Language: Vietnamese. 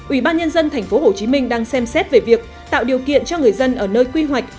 ủy ban nhân dân tp hcm đang xem xét về việc tạo điều kiện cho người dân ở nơi quy hoạch